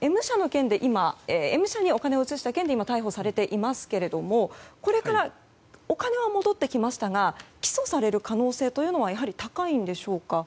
Ｍ社にお金を移した件で逮捕されていますけれどもこれからお金は戻ってきましたが起訴される可能性はやはり高いんでしょうか。